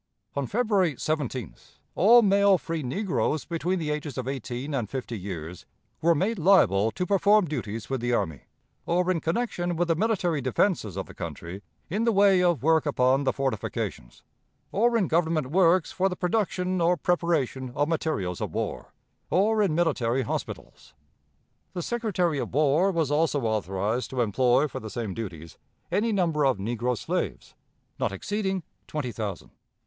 On February 17th all male free negroes between the ages of eighteen and fifty years were made liable to perform duties with the army, or in connection with the military defenses of the country in the way of work upon the fortifications, or in Government works for the production or preparation of materials of war, or in military hospitals. The Secretary of War was also authorized to employ for the same duties any number of negro slaves not exceeding twenty thousand.